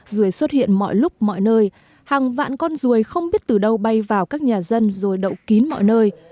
ruồi xuất hiện mọi lúc mọi nơi hàng vạn con ruồi không biết từ đâu bay vào các nhà dân rồi đậu kín mọi nơi